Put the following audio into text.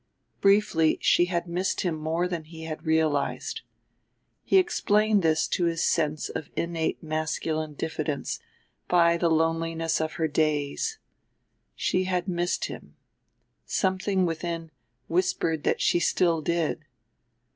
Briefly she had missed him more than he had realized. He explained this to his sense of innate masculine diffidence by the loneliness of her days. She had missed him....something within whispered that she still did.